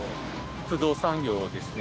不動産業ですね。